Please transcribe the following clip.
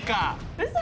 うそ！